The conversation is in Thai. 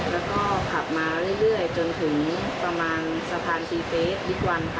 แล้วก็ขับมาเรื่อยจนถึงประมาณสะพานซีเฟสบิ๊กวันค่ะ